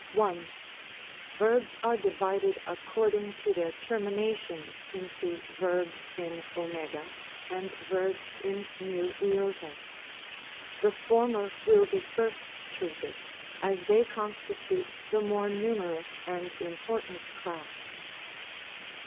1. Verbs are divided according to their termina tions into verbs in cj and verbs in fii. The former will be first treated, as thev constitute the more numerous and important class.